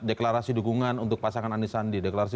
deklarasi dukungan untuk pasangan anisandi deklarasi